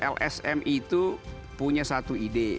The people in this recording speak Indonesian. lsm itu punya satu ide